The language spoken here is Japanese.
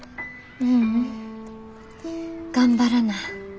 ううん頑張らな。